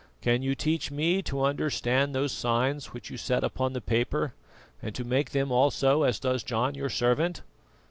Can you teach me to understand those signs which you set upon the paper, and to make them also as does John your servant?"